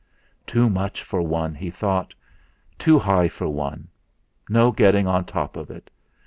'Too much for one!' he thought; 'Too high for one no getting on top of it.